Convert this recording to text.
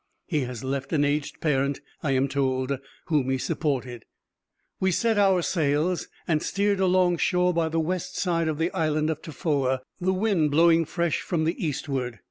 He has left an aged parent, I am told, whom he supported. We set our sails, and steered along shore by the west side of the island of Tofoa, the wind blowing fresh from the eastward.